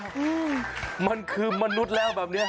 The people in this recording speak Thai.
อืมมันคือมนุษย์แล้วแบบเนี้ย